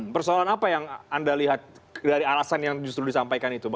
persoalan apa yang anda lihat dari alasan yang justru disampaikan itu